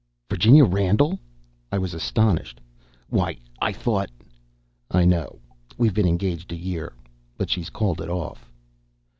"Virginia Randall!" I was astonished. "Why, I thought " "I know. We've been engaged a year. But she's called it off."